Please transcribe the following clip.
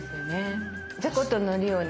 じゃこと海苔をね